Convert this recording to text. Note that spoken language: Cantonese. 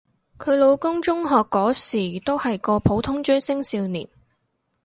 佢老公中學嗰時都係個普通追星少年